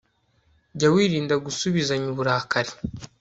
jya wirinda gusuzibanya uburakari